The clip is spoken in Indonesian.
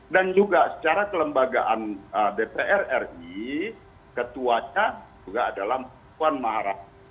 dan juga secara kelembagaan dpr ri ketuanya juga adalah puan maharani